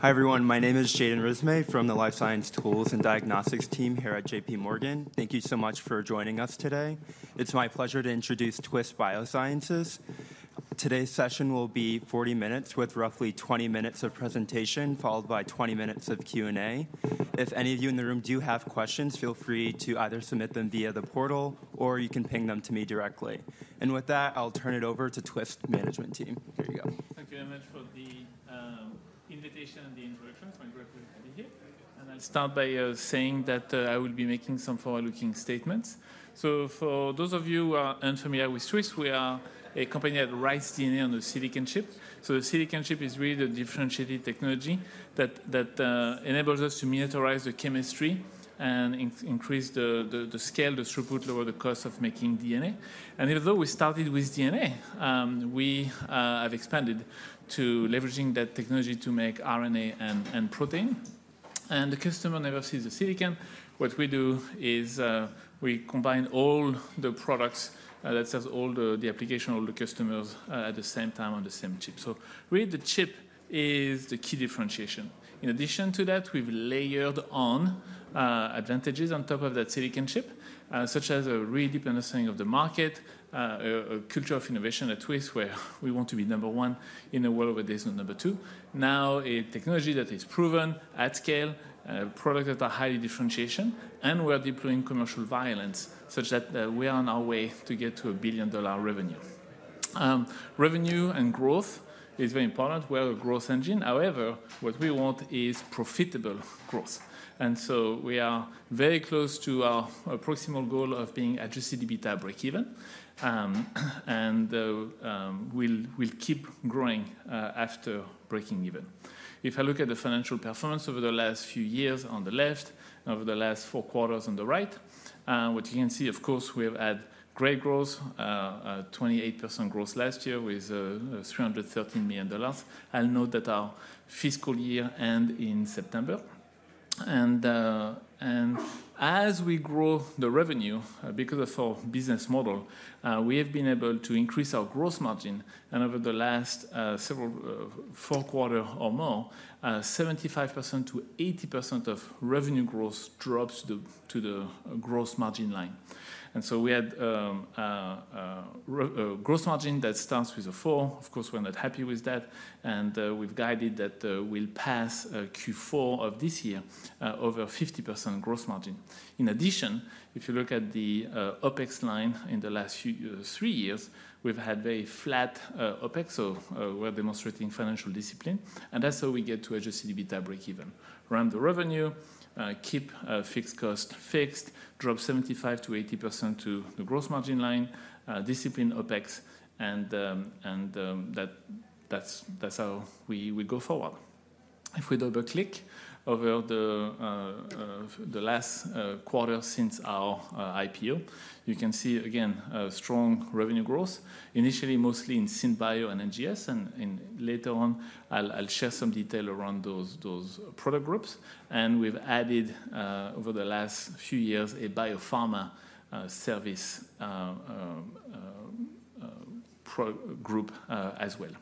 Hi, everyone. My name is Jayden Rismay from the Life Science Tools and Diagnostics team here at J.P. Morgan. Thank you so much for joining us today. It's my pleasure to introduce Twist Bioscience. Today's session will be 40 minutes, with roughly 20 minutes of presentation, followed by 20 minutes of Q&A. If any of you in the room do have questions, feel free to either submit them via the portal, or you can ping them to me directly. And with that, I'll turn it over to Twist Management Team. Here you go. Thank you very much for the invitation and the introduction. It's my great pleasure to be here. Start by saying that I will be making some forward-looking statements. So for those of you who are unfamiliar with Twist, we are a company that writes DNA on a silicon chip. So the silicon chip is really the differentiated technology that enables us to miniaturize the chemistry and increase the scale, the throughput, lower the cost of making DNA. And even though we started with DNA, we have expanded to leveraging that technology to make RNA and protein. And the customer never sees the silicon. What we do is we combine all the products that serve all the application, all the customers at the same time on the same chip. So really, the chip is the key differentiation. In addition to that, we've layered on advantages on top of that silicon chip, such as a really deep understanding of the market, a culture of innovation at Twist, where we want to be number one in the world, but there's no number two. Now, a technology that is proven at scale, products that are highly differentiated, and we're deploying commercial velocity, such that we are on our way to get to a billion-dollar revenue. Revenue and growth is very important. We're a growth engine. However, what we want is profitable growth, and so we are very close to our proximate goal of being Adjusted EBITDA break-even, and we'll keep growing after breaking even. If I look at the financial performance over the last few years on the left, and over the last four quarters on the right, what you can see, of course, we have had great growth, 28% growth last year with $313 million. I'll note that our fiscal year ends in September. And as we grow the revenue, because of our business model, we have been able to increase our gross margin. And over the last several four quarters or more, 75%-80% of revenue growth drops to the gross margin line. And so we had a gross margin that starts with a 4%. Of course, we're not happy with that. And we've guided that we'll pass Q4 of this year over 50% gross margin. In addition, if you look at the OpEx line in the last three years, we've had very flat OpEx, so we're demonstrating financial discipline. That's how we get to Adjusted EBITDA break-even. Run the revenue, keep fixed costs fixed, drop 75%-80% to the gross margin line, discipline OpEx, and that's how we go forward. If we double-click over the last quarter since our IPO, you can see, again, strong revenue growth, initially mostly in SynBio and NGS. Later on, I'll share some detail around those product groups. We've added, over the last few years, a Biopharma service group as well.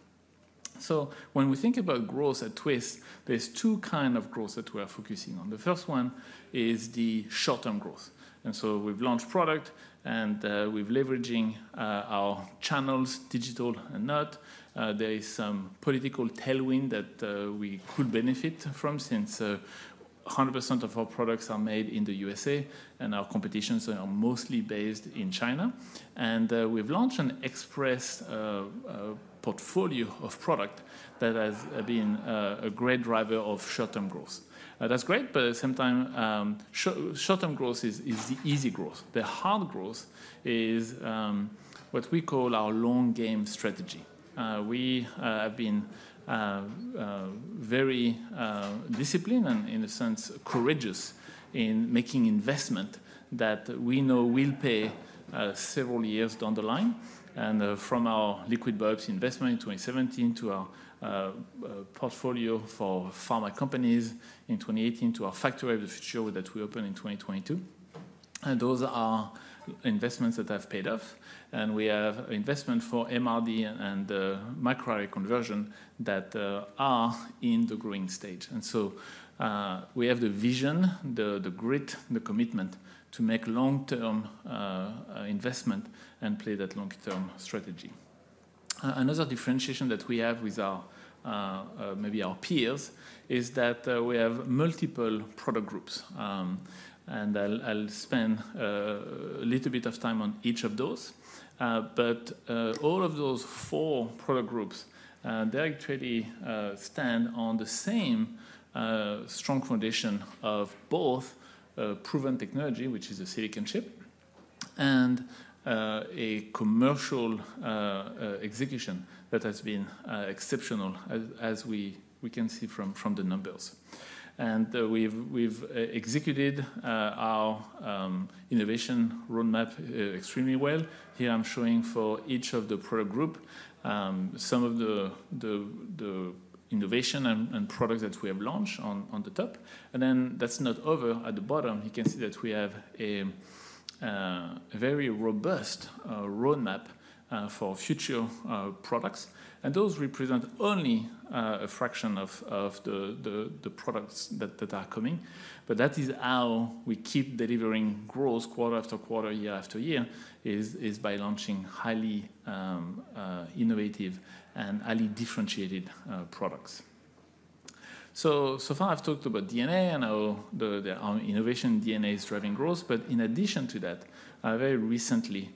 When we think about growth at Twist, there's two kinds of growth that we're focusing on. The first one is the short-term growth. We've launched product, and we're leveraging our channels, digital and not. There is some political tailwind that we could benefit from, since 100% of our products are made in the U.S.A., and our competitions are mostly based in China. And we've launched an Express Portfolio of product that has been a great driver of short-term growth. That's great, but sometimes short-term growth is the easy growth. The hard growth is what we call our long-game strategy. We have been very disciplined and, in a sense, courageous in making investment that we know will pay several years down the line. And from our liquid biopsy investment in 2017 to our portfolio for pharma companies in 2018 to our Factory of the Future that we opened in 2022. And those are investments that have paid off. And we have investment for MRD and microarray conversion that are in the growing stage. And so we have the vision, the grit, the commitment to make long-term investment and play that long-term strategy. Another differentiation that we have with maybe our peers is that we have multiple product groups. And I'll spend a little bit of time on each of those. But all of those four product groups, they actually stand on the same strong foundation of both proven technology, which is a silicon chip, and a commercial execution that has been exceptional, as we can see from the numbers. And we've executed our innovation roadmap extremely well. Here I'm showing for each of the product groups some of the innovation and products that we have launched on the top. And then that's not over. At the bottom, you can see that we have a very robust roadmap for future products. And those represent only a fraction of the products that are coming. But that is how we keep delivering growth quarter after quarter, year after year, is by launching highly innovative and highly differentiated products. So far, I've talked about DNA and our innovation DNA is driving growth. But in addition to that, very recently,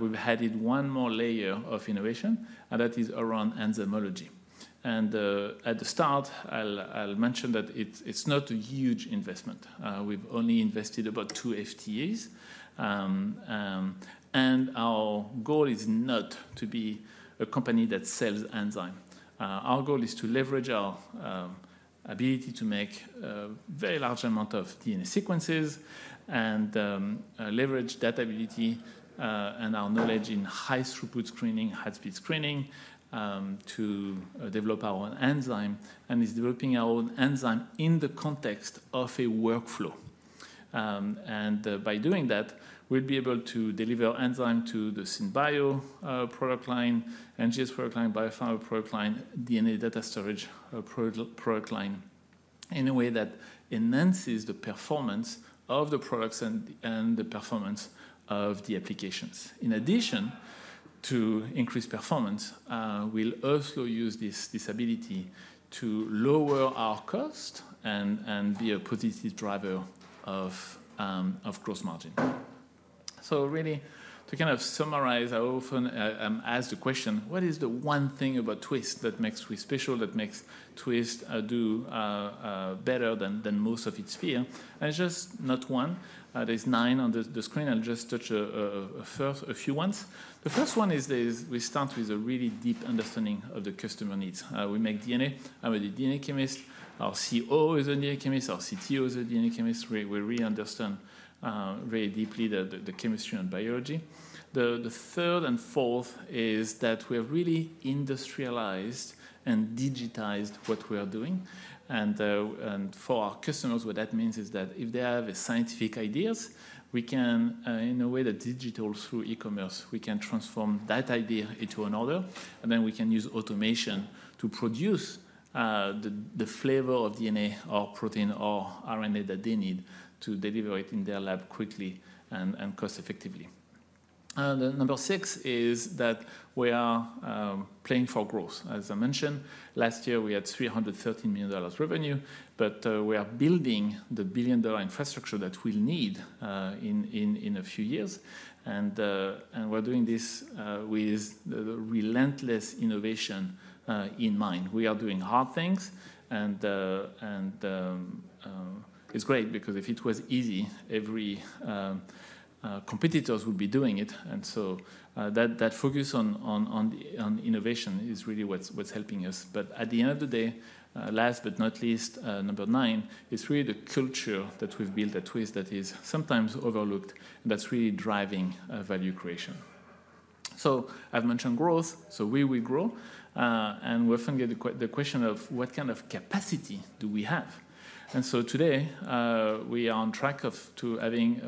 we've added one more layer of innovation, and that is around enzymology. And at the start, I'll mention that it's not a huge investment. We've only invested about two FTEs. And our goal is not to be a company that sells enzymes. Our goal is to leverage our ability to make very large amounts of DNA sequences and leverage that ability and our knowledge in high-throughput screening, high-speed screening, to develop our own enzyme. And it's developing our own enzyme in the context of a workflow. And by doing that, we'll be able to deliver enzyme to the synth bio product line, NGS product line, biopharma product line, DNA data storage product line in a way that enhances the performance of the products and the performance of the applications. In addition to increased performance, we'll also use this ability to lower our cost and be a positive driver of gross margin. So really, to kind of summarize, I often ask the question, what is the one thing about Twist that makes Twist special, that makes Twist do better than most of its peers? And it's just not one. There's nine on the screen. I'll just touch a few ones. The first one is we start with a really deep understanding of the customer needs. We make DNA. I'm a DNA chemist. Our CEO is a DNA Chemist. Our CTO is a DNA Chemist. We really understand very deeply the chemistry and biology. The third and fourth is that we have really industrialized and digitized what we are doing. For our customers, what that means is that if they have scientific ideas, we can, in a way, go digital through e-commerce, we can transform that idea into an order. Then we can use automation to produce whatever flavor of DNA or protein or RNA that they need to deliver it to their lab quickly and cost-effectively. Number six is that we are playing for growth. As I mentioned, last year, we had $313 million revenue, but we are building the billion-dollar infrastructure that we'll need in a few years. We're doing this with relentless innovation in mind. We are doing hard things. It's great because if it was easy, every competitor would be doing it. That focus on innovation is really what's helping us. But at the end of the day, last but not least, number nine is really the culture that we've built at Twist that is sometimes overlooked and that's really driving value creation. So I've mentioned growth. So we will grow. And we often get the question of, what kind of capacity do we have? And so today, we are on track to having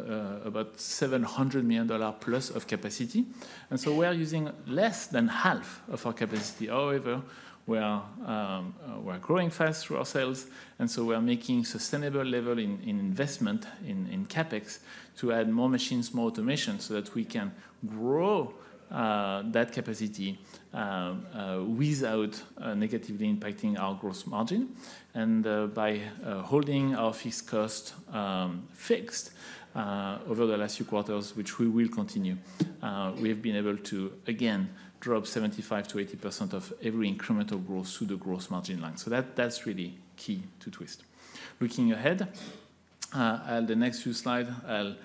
about $700 million plus of capacity. And so we are using less than half of our capacity. However, we are growing fast through ourselves. And so we are making sustainable level in investment in CapEx to add more machines, more automation, so that we can grow that capacity without negatively impacting our gross margin. And by holding our fixed cost fixed over the last few quarters, which we will continue, we have been able to, again, drop 75%-80% of every incremental growth through the gross margin line. So that's really key to Twist. Looking ahead, the next few slides, I'll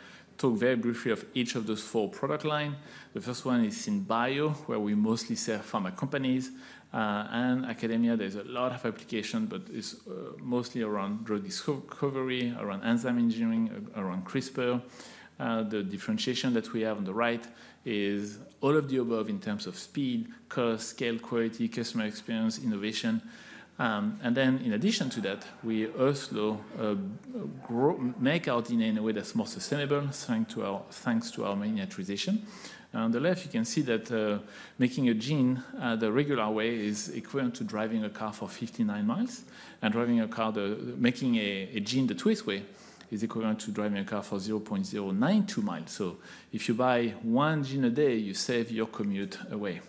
talk very briefly of each of those four product lines. The first one is synth bio, where we mostly serve pharma companies. And Academia, there's a lot of application, but it's mostly around drug discovery, around enzyme engineering, around CRISPR. The differentiation that we have on the right is all of the above in terms of speed, cost, scale, quality, customer experience, innovation. And then, in addition to that, we also make our DNA in a way that's more sustainable, thanks to our miniaturization. On the left, you can see that making a gene the regular way is equivalent to driving a car for 59 miles. And driving a car, making a gene the Twist way, is equivalent to driving a car for 0.092 miles. So if you buy one gene a day, you save your commute away.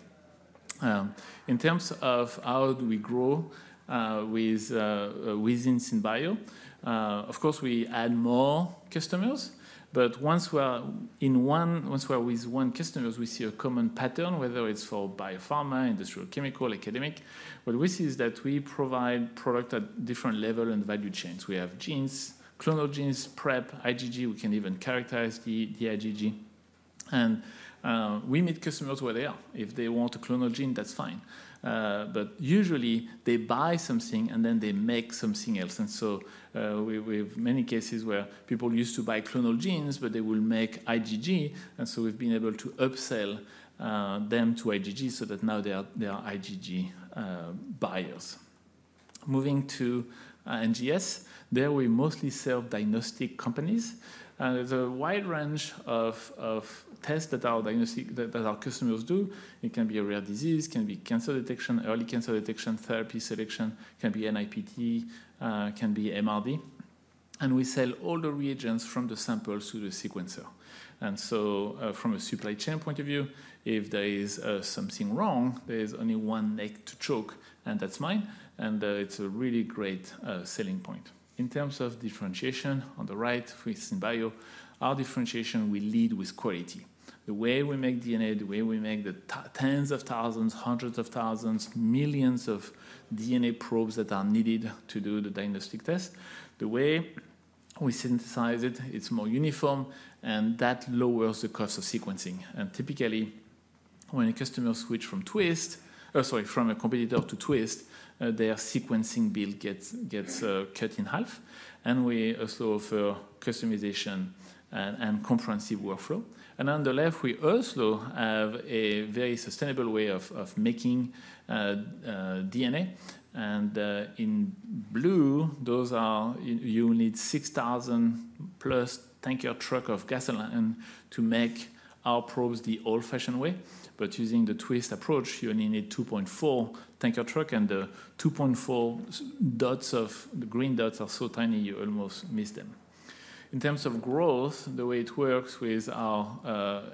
In terms of how do we grow within synth bio, of course, we add more customers. But once we are with one customer, we see a common pattern, whether it's for biopharma, industrial chemical, academic. What we see is that we provide product at different levels and value chains. We have genes, clonal genes, prep, IgG. We can even characterize the IgG. And we meet customers where they are. If they want a clonal gene, that's fine. But usually, they buy something, and then they make something else. And so we have many cases where people used to buy clonal genes, but they will make IgG. And so we've been able to upsell them to IgG so that now they are IgG buyers. Moving to NGS, there we mostly serve diagnostic companies. There's a wide range of tests that our customers do. It can be a rare disease, can be cancer detection, early cancer detection, therapy selection, can be NIPT, can be MRD. And we sell all the reagents from the sample to the sequencer. And so from a supply chain point of view, if there is something wrong, there is only one neck to choke, and that's mine. And it's a really great selling point. In terms of differentiation, on the right, with synth bio, our differentiation will lead with quality. The way we make DNA, the way we make the tens of thousands, hundreds of thousands, millions of DNA probes that are needed to do the diagnostic tests, the way we synthesize it, it's more uniform, and that lowers the cost of sequencing. And typically, when a customer switches from a competitor to Twist, their sequencing bill gets cut in half. And we also offer customization and comprehensive workflow. And on the left, we also have a very sustainable way of making DNA. And in blue, you need 6,000-plus tanker trucks of gasoline to make our probes the old-fashioned way. But using the Twist approach, you only need 2.4 tanker trucks, and the 2.4 dots, the green dots are so tiny, you almost miss them. In terms of growth, the way it works with our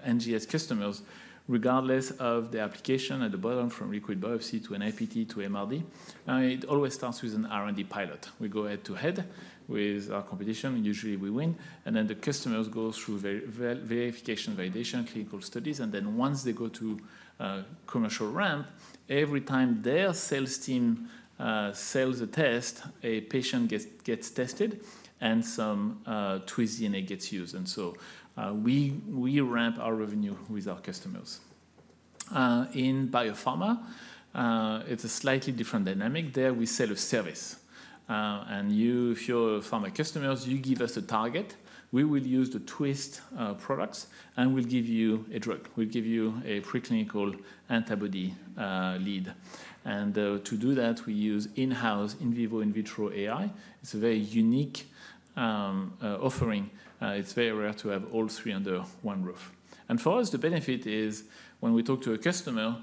NGS customers, regardless of the application at the bottom from liquid biopsy to NIPT to MRD, it always starts with an R&D pilot. We go head-to-head with our competition. Usually, we win, and then the customers go through verification, validation, clinical studies, and then once they go to commercial ramp, every time their sales team sells a test, a patient gets tested, and some Twist DNA gets used, and so we ramp our revenue with our customers. In biopharma, it's a slightly different dynamic. There we sell a service, and if you're a pharma customer, you give us a target. We will use the Twist products, and we'll give you a drug. We'll give you a preclinical antibody lead, and to do that, we use in-house in vivo in vitro AI. It's a very unique offering. It's very rare to have all three under one roof, and for us, the benefit is when we talk to a customer,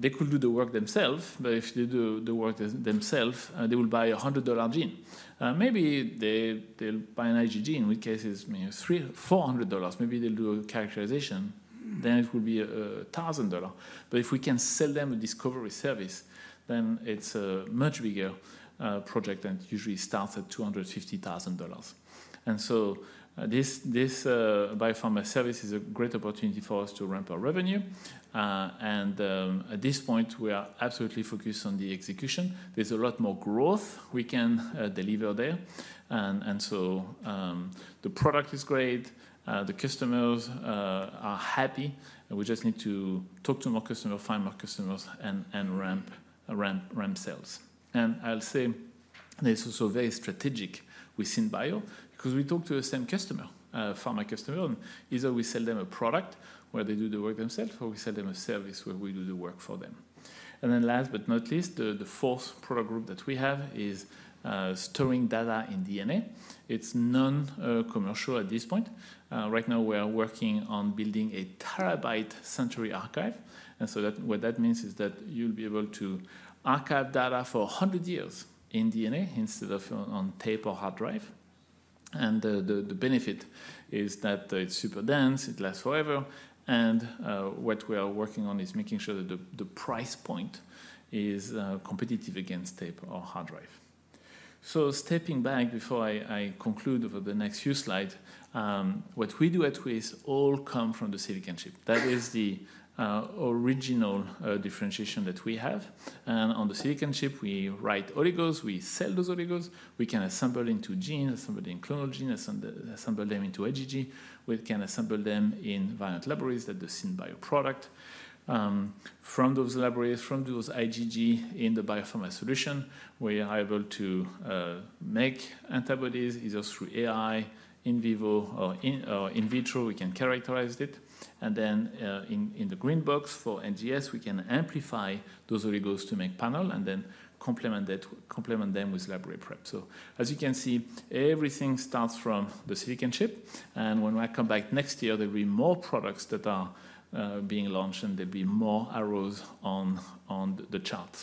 they could do the work themselves, but if they do the work themselves, they will buy a $100 gene. Maybe they'll buy an IgG, in which case it's $400. Maybe they'll do a characterization, then it will be $1,000, but if we can sell them a discovery service, then it's a much bigger project that usually starts at $250,000, and so this biopharma service is a great opportunity for us to ramp our revenue, and at this point, we are absolutely focused on the execution. There's a lot more growth we can deliver there, and so the product is great. The customers are happy. We just need to talk to more customers, find more customers, and ramp sales. I'll say there's also very strategic with synth bio because we talk to the same customer, pharma customer. And either we sell them a product where they do the work themselves, or we sell them a service where we do the work for them. And then last but not least, the fourth product group that we have is storing data in DNA. It's non-commercial at this point. Right now, we are working on building a terabyte Century Archive. And so what that means is that you'll be able to archive data for 100 years in DNA instead of on tape or hard drive. And the benefit is that it's super dense. It lasts forever. And what we are working on is making sure that the price point is competitive against tape or hard drive. So stepping back before I conclude for the next few slides, what we do at Twist all comes from the silicon chip. That is the original differentiation that we have. And on the silicon chip, we write oligos. We sell those oligos. We can assemble into genes, assemble in clonal genes, assemble them into IgG. We can assemble them in variant libraries that the synth bio product. From those libraries, from those IgG in the biopharma solution, we are able to make antibodies either through AI, in vivo, or in vitro. We can characterize it. And then in the green box for NGS, we can amplify those oligos to make panel and then complement them with library prep. So as you can see, everything starts from the silicon chip. When I come back next year, there will be more products that are being launched, and there'll be more arrows on the chart.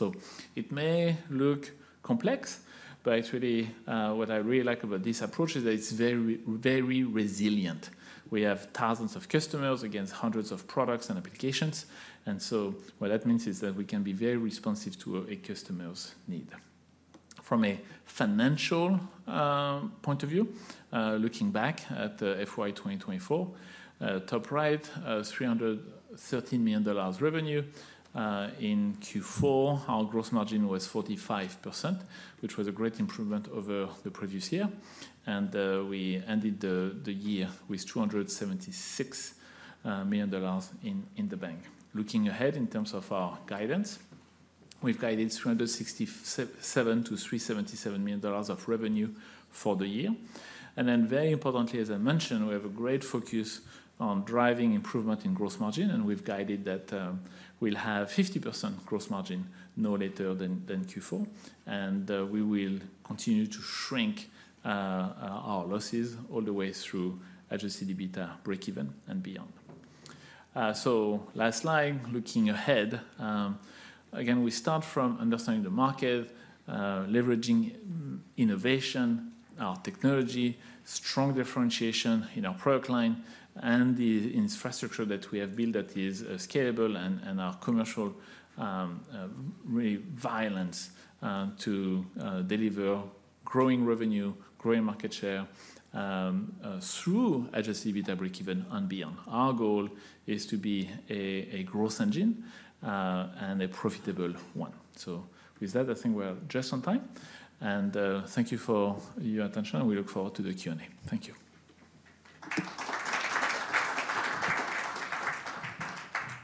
It may look complex, but actually, what I really like about this approach is that it's very resilient. We have thousands of customers against hundreds of products and applications. What that means is that we can be very responsive to a customer's need. From a financial point of view, looking back at FY 2024, top right, $313 million revenue. In Q4, our gross margin was 45%, which was a great improvement over the previous year. We ended the year with $276 million in the bank. Looking ahead in terms of our guidance, we've guided $367 million-$377 million of revenue for the year. Then very importantly, as I mentioned, we have a great focus on driving improvement in gross margin. We've guided that we'll have 50% gross margin no later than Q4. And we will continue to shrink our losses all the way through Adjusted EBITDA breakeven and beyond. So last slide, looking ahead. Again, we start from understanding the market, leveraging innovation, our technology, strong differentiation in our product line, and the infrastructure that we have built that is scalable and our commercial realignments to deliver growing revenue, growing market share through Adjusted EBITDA breakeven and beyond. Our goal is to be a growth engine and a profitable one. So with that, I think we're just on time. And thank you for your attention. We look forward to the Q&A. Thank you.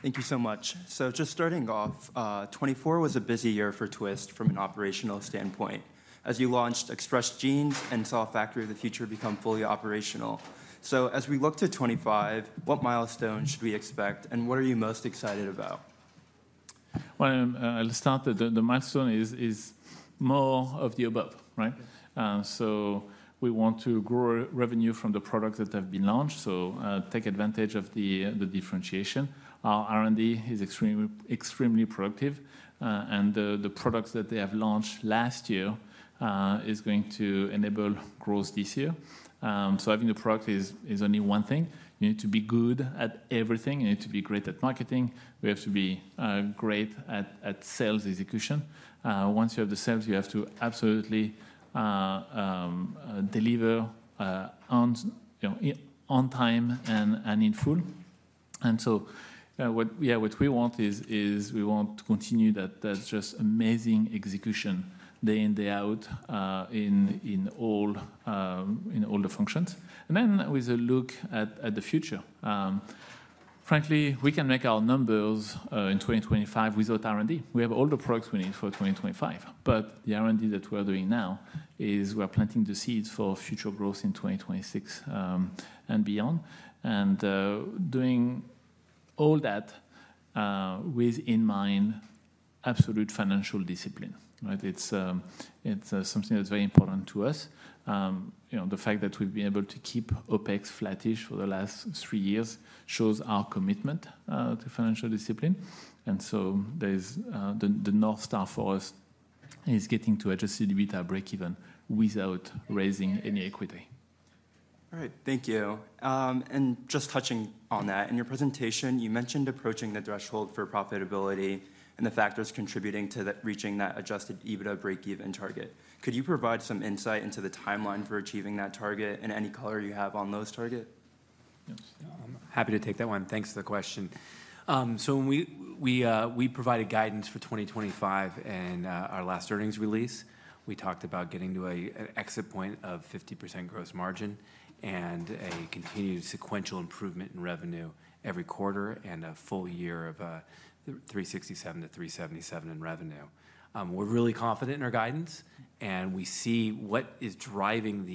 Thank you so much. So just starting off, 2024 was a busy year for Twist from an operational standpoint. As you launched Express Genes and saw Factory of the Future become fully operational. So as we look to 25, what milestones should we expect, and what are you most excited about? Well, I'll start. The milestone is more of the above, right? So we want to grow revenue from the products that have been launched, so take advantage of the differentiation. Our R&D is extremely productive. And the products that they have launched last year are going to enable growth this year. So having a product is only one thing. You need to be good at everything. You need to be great at marketing. We have to be great at sales execution. Once you have the sales, you have to absolutely deliver on time and in full. And so what we want is we want to continue that just amazing execution day in, day out in all the functions. And then with a look at the future, frankly, we can make our numbers in 2025 without R&D. We have all the products we need for 2025. But the R&D that we're doing now is we're planting the seeds for future growth in 2026 and beyond. And doing all that with that in mind absolute financial discipline, right? It's something that's very important to us. The fact that we've been able to keep OpEx flattish for the last three years shows our commitment to financial discipline. And so the North Star for us is getting to Adjusted EBITDA breakeven without raising any equity. All right, thank you. And just touching on that, in your presentation, you mentioned approaching the threshold for profitability and the factors contributing to reaching that Adjusted EBITDA breakeven target. Could you provide some insight into the timeline for achieving that target and any color you have on those targets? Yes. I'm happy to take that one. Thanks for the question. So we provided guidance for 2025 and our last earnings release. We talked about getting to an exit point of 50% gross margin and a continued sequential improvement in revenue every quarter and a full year of $367 million-$377 million in revenue. We're really confident in our guidance, and we see what is driving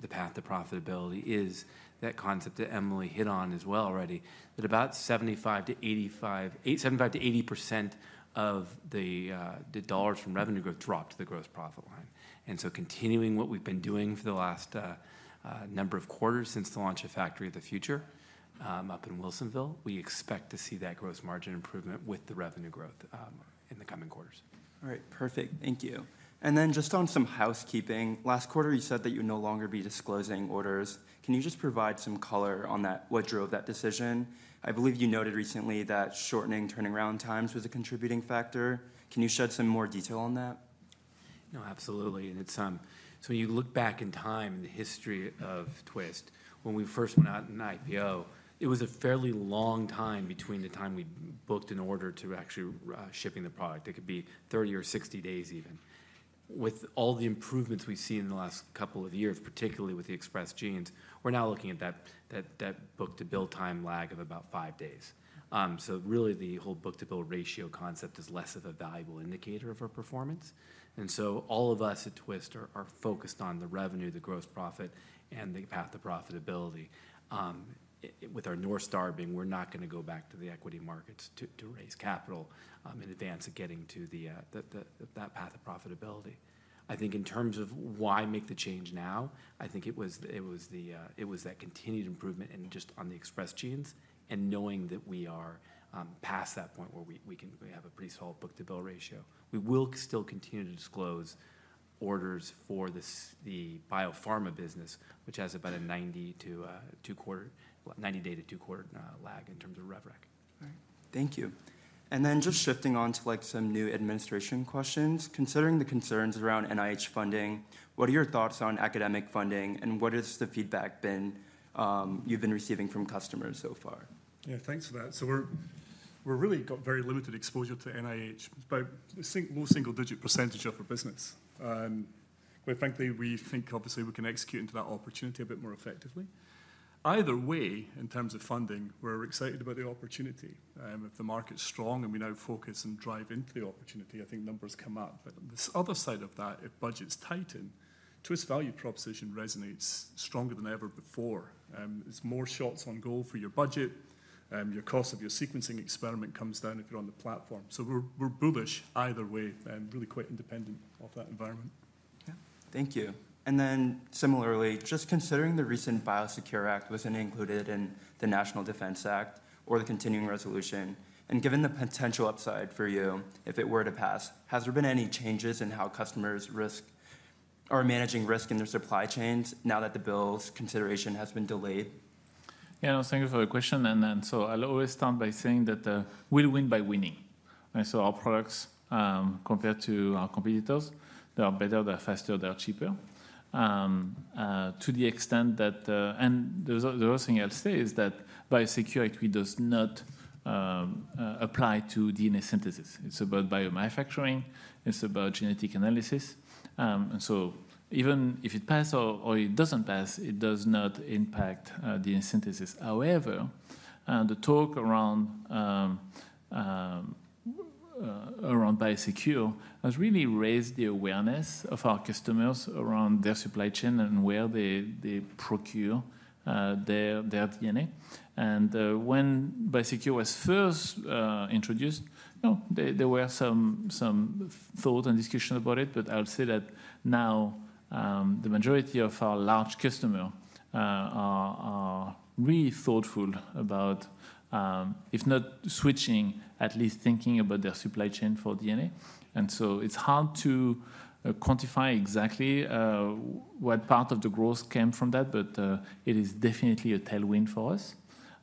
the path to profitability is that concept that Emily hit on as well already, that about 75%-80% of the dollars from revenue growth dropped to the gross profit line. And so continuing what we've been doing for the last number of quarters since the launch of Factory of the Future up in Wilsonville, we expect to see that gross margin improvement with the revenue growth in the coming quarters. All right, perfect. Thank you. And then just on some housekeeping, last quarter, you said that you'd no longer be disclosing orders. Can you just provide some color on what drove that decision? I believe you noted recently that shortening turnaround times was a contributing factor. Can you shed some more detail on that? No, absolutely. And so when you look back in time, the history of Twist, when we first went out and IPO, it was a fairly long time between the time we booked an order to actually shipping the product. It could be 30 or 60 days even. With all the improvements we've seen in the last couple of years, particularly with the Express Genes, we're now looking at that book-to-build time lag of about five days. So really, the whole book-to-build ratio concept is less of a valuable indicator of our performance. And so all of us at Twist are focused on the revenue, the gross profit, and the path to profitability. With our North Star being, we're not going to go back to the equity markets to raise capital in advance of getting to that path of profitability. I think in terms of why make the change now, I think it was that continued improvement just on the Express Genes and knowing that we are past that point where we have a pretty solid book-to-build ratio. We will still continue to disclose orders for the biopharma business, which has about a 90-day to two-quarter lag in terms of RevRec. All right, thank you, and then just shifting on to some new administration questions. Considering the concerns around NIH funding, what are your thoughts on academic funding, and what has the feedback been you've been receiving from customers so far? Yeah, thanks for that, so we've really got very limited exposure to NIH, but it's low single-digit % of our business but frankly, we think, obviously, we can execute into that opportunity a bit more effectively. Either way, in terms of funding, we're excited about the opportunity. If the market's strong and we now focus and drive into the opportunity, I think numbers come out, but on this other side of that, if budgets tighten, Twist Value Proposition resonates stronger than ever before. It's more shots on goal for your budget. Your cost of your sequencing experiment comes down if you're on the platform. So we're bullish either way, really quite independent of that environment. Yeah, thank you. And then similarly, just considering the recent Biosecure Act, was it included in the National Defense Act or the Continuing Resolution? And given the potential upside for you if it were to pass, has there been any changes in how customers are managing risk in their supply chains now that the bill's consideration has been delayed? Yeah, no, thank you for the question. And then so I'll always start by saying that we'll win by winning. So our products, compared to our competitors, they are better, they're faster, they're cheaper, to the extent that the other thing I'll say is that Biosecure, it does not apply to DNA synthesis. It's about biomanufacturing. It's about genetic analysis, and so even if it passes or it doesn't pass, it does not impact DNA synthesis. However, the talk around Biosecure has really raised the awareness of our customers around their supply chain and where they procure their DNA, and when Biosecure was first introduced, there were some thoughts and discussions about it. But I'll say that now the majority of our large customers are really thoughtful about, if not switching, at least thinking about their supply chain for DNA, and so it's hard to quantify exactly what part of the growth came from that, but it is definitely a tailwind for us.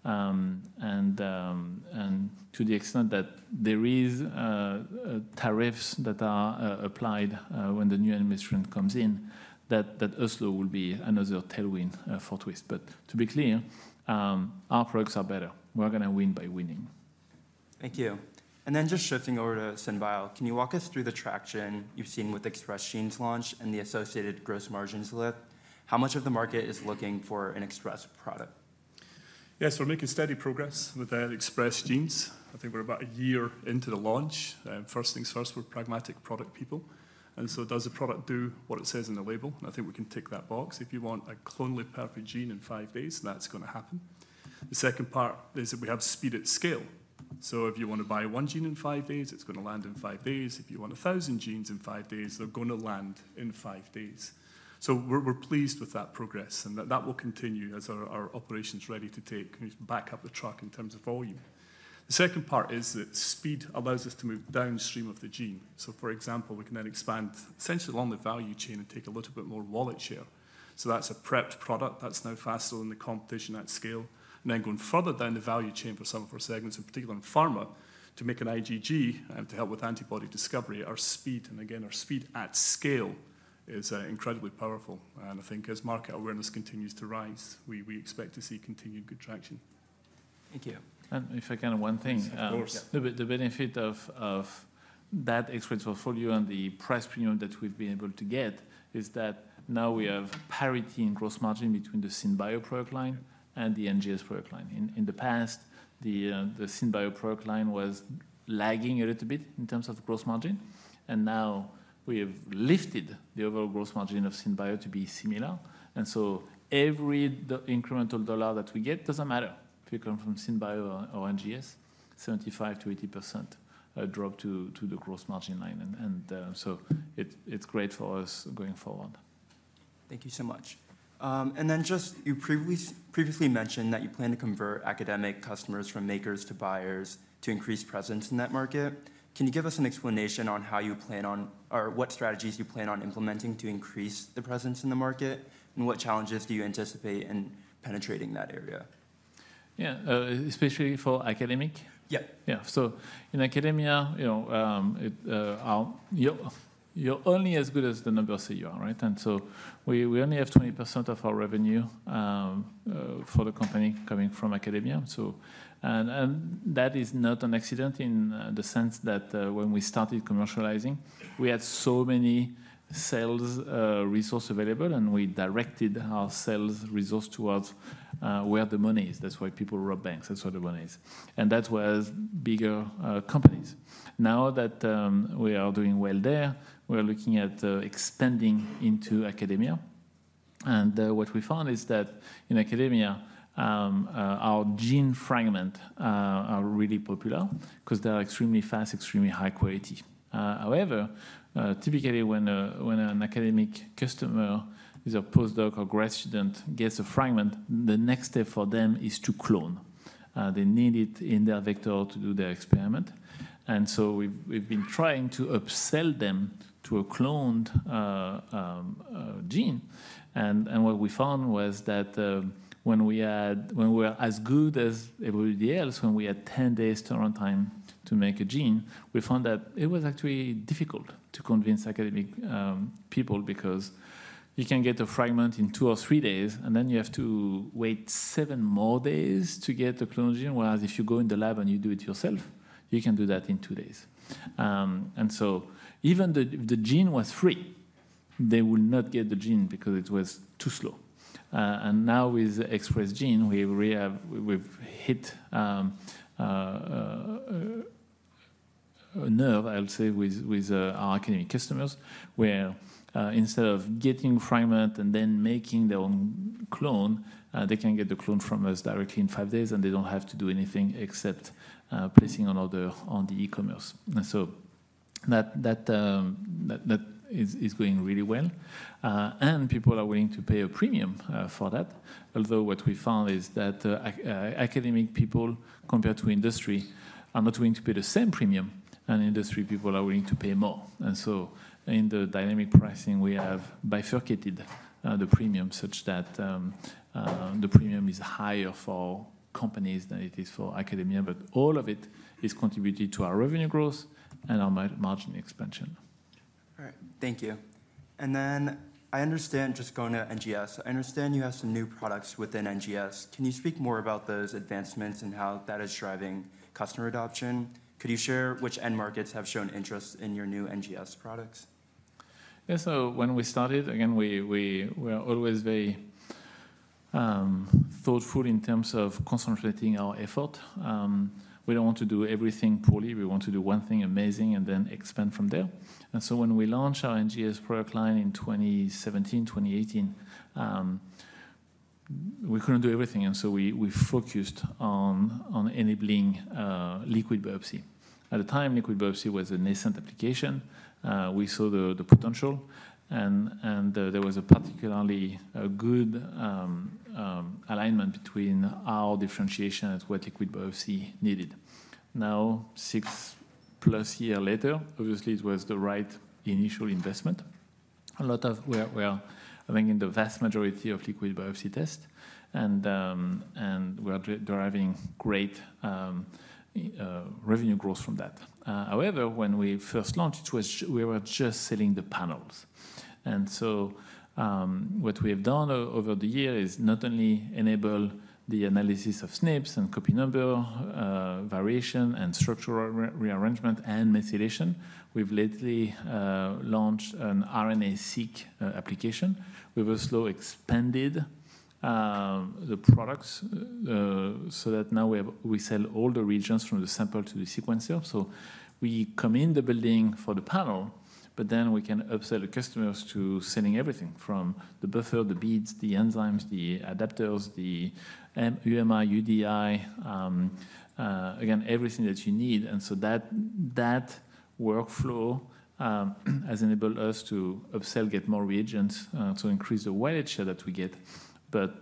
And to the extent that there are tariffs that are applied when the new administration comes in, that also will be another tailwind for Twist. But to be clear, our products are better. We're going to win by winning. Thank you. Then just shifting over to SynBio, can you walk us through the traction you've seen with Express Genes launch and the associated gross margins lift? How much of the market is looking for an express product? Yeah, so we're making steady progress with the Express Genes. I think we're about a year into the launch. First things first, we're pragmatic product people. And so does the product do what it says in the label? And I think we can tick that box. If you want a clonally perfect gene in five days, that's going to happen. The second part is that we have speed at scale. So if you want to buy one gene in five days, it's going to land in five days. If you want 1,000 genes in five days, they're going to land in five days. So we're pleased with that progress. And that will continue as our operation is ready to take back up the truck in terms of volume. The second part is that speed allows us to move downstream of the gene. So for example, we can then expand essentially along the value chain and take a little bit more wallet share. So that's a prepped product that's now faster than the competition at scale. And then going further down the value chain for some of our segments, in particular in pharma, to make an IgG to help with antibody discovery, our speed, and again, our speed at scale is incredibly powerful. And I think as market awareness continues to rise, we expect to see continued good traction. Thank you. And if I can add one thing. Of course. The benefit of that Express Portfolio and the price premium that we've been able to get is that now we have parity in gross margin between the SynBio product line and the NGS product line. In the past, the SynBio product line was lagging a little bit in terms of gross margin. And now we have lifted the overall gross margin of SynBio to be similar. And so every incremental dollar that we get doesn't matter if you come from SynBio or NGS, 75%-80% drop to the gross margin line. And so it's great for us going forward. Thank you so much. And then just you previously mentioned that you plan to convert academic customers from makers to buyers to increase presence in that market. Can you give us an explanation on how you plan on or what strategies you plan on implementing to increase the presence in the market? And what challenges do you anticipate in penetrating that area? Yeah, especially for Academia? Yeah. Yeah, so in Academia, you're only as good as the numbers say you are, right? And so we only have 20% of our revenue for the company coming from Academia. And that is not an accident in the sense that when we started commercializing, we had so many sales resources available, and we directed our sales resources towards where the money is. That's why people rob banks. That's where the money is. And that was bigger companies. Now that we are doing well there, we're looking at expanding into academia. What we found is that in Academia, our gene fragments are really popular because they are extremely fast, extremely high quality. However, typically when an academic customer, either a postdoc or a grad student, gets a fragment, the next step for them is to clone. They need it in their vector to do their experiment. And so we've been trying to upsell them to a cloned gene. And what we found was that when we were as good as everybody else, when we had 10 days turnaround time to make a gene, we found that it was actually difficult to convince academic people because you can get a fragment in two or three days, and then you have to wait seven more days to get the cloned gene. Whereas if you go in the lab and you do it yourself, you can do that in two days. Even if the gene was free, they will not get the gene because it was too slow. Now with Express Genes, we've hit a nerve, I'll say, with our academic customers where instead of getting fragments and then making their own clone, they can get the clone from us directly in five days, and they don't have to do anything except placing an order on the e-commerce. That is going really well. People are willing to pay a premium for that. Although what we found is that academic people, compared to industry, are not willing to pay the same premium, and industry people are willing to pay more. In the dynamic pricing, we have bifurcated the premium such that the premium is higher for companies than it is for Academia. But all of it is contributing to our revenue growth and our margin expansion. All right, thank you. And then I understand, just going to NGS. I understand you have some new products within NGS. Can you speak more about those advancements and how that is driving customer adoption? Could you share which end markets have shown interest in your new NGS products? Yeah, so when we started, again, we were always very thoughtful in terms of concentrating our effort. We don't want to do everything poorly. We want to do one thing amazing and then expand from there. And so when we launched our NGS product line in 2017, 2018, we couldn't do everything. And so we focused on enabling liquid biopsy. At the time, liquid biopsy was a nascent application. We saw the potential, and there was a particularly good alignment between our differentiation and what liquid biopsy needed. Now, six-plus years later, obviously, it was the right initial investment. A lot of what we are running in the vast majority of liquid biopsy tests, and we are driving great revenue growth from that. However, when we first launched, we were just selling the panels. And so what we have done over the years is not only enable the analysis of SNPs and copy number variation and structural rearrangement and methylation, we've lately launched an RNA-seq application. We've also expanded the products so that now we sell all the reagents from the sample to the sequencer. So we come in the building for the panel, but then we can upsell the customers to selling everything from the buffer, the beads, the enzymes, the adapters, the UMI, UDI, again, everything that you need. And so that workflow has enabled us to upsell, get more reagents to increase the wallet share that we get. But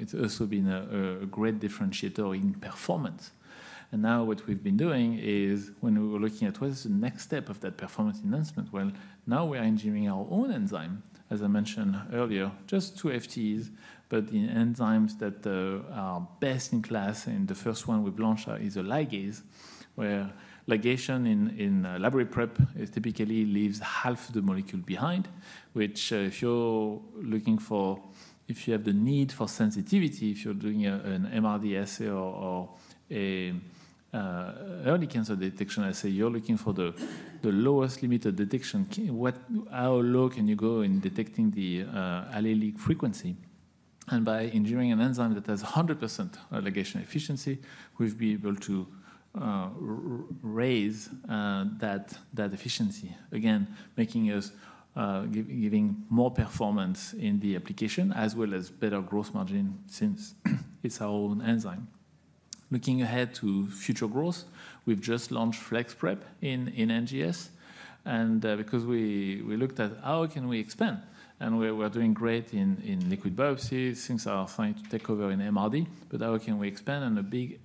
it's also been a great differentiator in performance. And now what we've been doing is when we were looking at what is the next step of that performance enhancement, well, now we are engineering our own enzyme, as I mentioned earlier, just two FTEs, but the enzymes that are best in class. The first one we've launched is a ligase, where ligation in library prep typically leaves half the molecule behind, which if you're looking for, if you have the need for sensitivity, if you're doing an MRD assay or an early cancer detection assay, you're looking for the lowest limit of detection. How low can you go in detecting the allelic frequency? By engineering an enzyme that has 100% ligation efficiency, we've been able to raise that efficiency, again, making us giving more performance in the application as well as better gross margin since it's our own enzyme. Looking ahead to future growth, we've just launched Flex Prep in NGS. Because we looked at how can we expand, and we're doing great in liquid biopsy since our science took over in MRD, but how can we expand? A big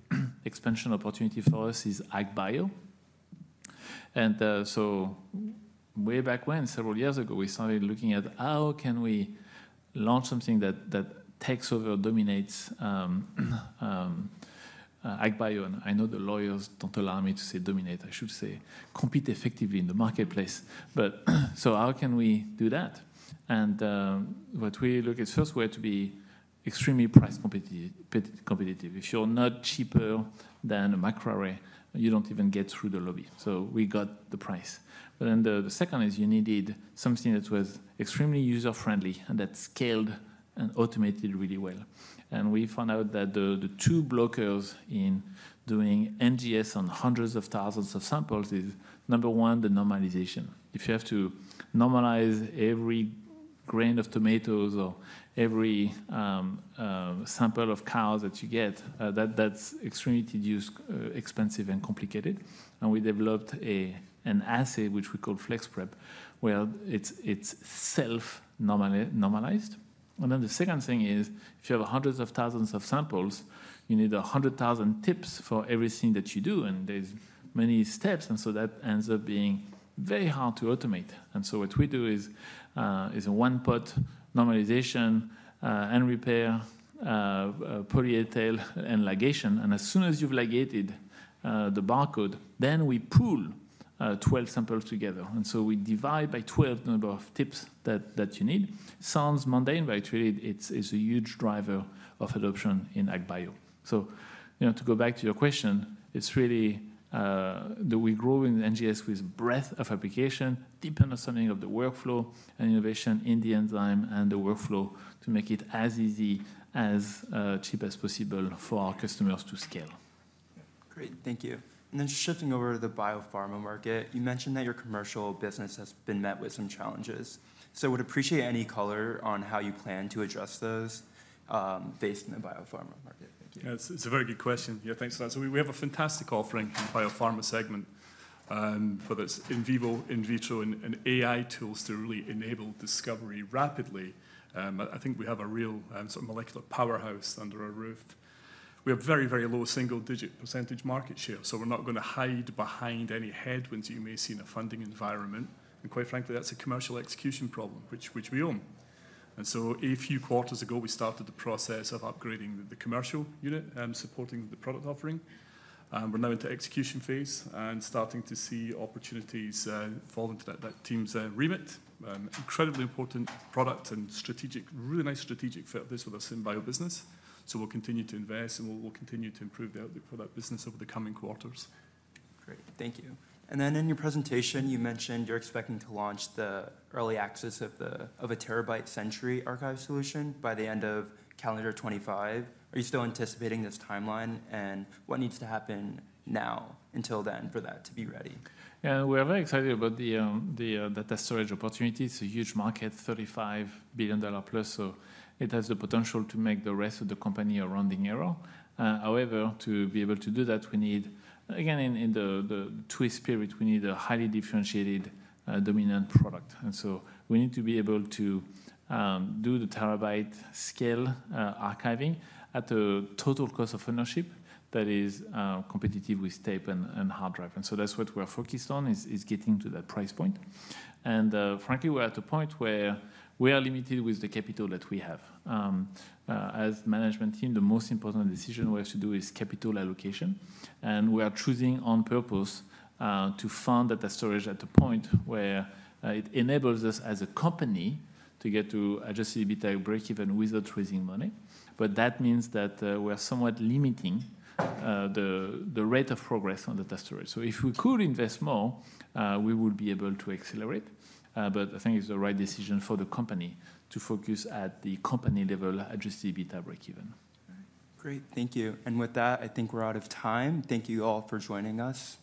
expansion opportunity for us is AgBio. And so, way back when, several years ago, we started looking at how can we launch something that takes over, dominates AgBio. I know the lawyers don't allow me to say dominate. I should say compete effectively in the marketplace. But so, how can we do that? And what we look at first were to be extremely price competitive. If you're not cheaper than a microarray, you don't even get through the lobby. So we got the price. But then the second is you needed something that was extremely user-friendly and that scaled and automated really well. And we found out that the two blockers in doing NGS on hundreds of thousands of samples is, number one, the normalization. If you have to normalize every grain of tomatoes or every sample of cows that you get, that's extremely expensive and complicated. We developed an assay, which we called flex prep, where it's self-normalized. Then the second thing is if you have hundreds of thousands of samples, you need 100,000 tips for everything that you do. There's many steps. So that ends up being very hard to automate. What we do is a one-pot normalization, end repair, poly-A tail, and ligation. As soon as you've ligated the barcode, then we pool 12 samples together. So we divide by 12 the number of tips that you need. Sounds mundane, but actually it's a huge driver of adoption in AgBio. To go back to your question, it's really that we grow in NGS with breadth of application, deep understanding of the workflow and innovation in the enzyme and the workflow to make it as easy, as cheap as possible for our customers to scale. Great. Thank you. And then shifting over to the Biopharma Market, you mentioned that your commercial business has been met with some challenges. So I would appreciate any color on how you plan to address those based in the Biopharma Market. Thank you. It's a very good question. Yeah, thanks for that. So we have a fantastic offering in the biopharma segment, whether it's in vivo, in vitro, and AI tools to really enable discovery rapidly. I think we have a real sort of molecular powerhouse under our roof. We have very, very low single-digit % market share. So we're not going to hide behind any headwinds you may see in a funding environment. And quite frankly, that's a commercial execution problem which we own. And so a few quarters ago, we started the process of upgrading the commercial unit and supporting the product offering. We're now into execution phase and starting to see opportunities fall into that team's remit. Incredibly important product and strategic, really nice strategic fit of this with SynBio business. So we'll continue to invest and we'll continue to improve the outlook for that business over the coming quarters. Great. Thank you. And then in your presentation, you mentioned you're expecting to launch the early access of a terabyte Century Archive solution by the end of calendar 2025. Are you still anticipating this timeline? And what needs to happen now until then for that to be ready? Yeah, we're very excited about the data storage opportunity. It's a huge market, $35 billion plus. So it has the potential to make the rest of the company a rounding error. However, to be able to do that, we need, again, in the Twist spirit, we need a highly differentiated, dominant product. We need to be able to do the terabyte scale archiving at a total cost of ownership that is competitive with tape and hard drive. That's what we're focused on, getting to that price point. Frankly, we're at a point where we are limited with the capital that we have. As management team, the most important decision we have to do is capital allocation. We are choosing on purpose to fund data storage at a point where it enables us as a company to get to adjusted EBITDA breakeven without raising money. That means that we're somewhat limiting the rate of progress on data storage. If we could invest more, we would be able to accelerate. I think it's the right decision for the company to focus at the company-level adjusted EBITDA breakeven. Great. Thank you. With that, I think we're out of time. Thank you all for joining us.